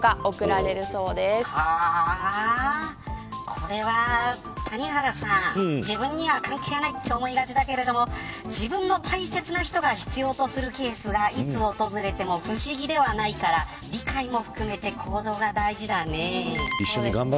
これは谷原さん自分には関係ないって思いがちだけど自分の大切な人が必要とするケースが、いつ訪れても不思議ではないから理解も含めて行動が大事だね。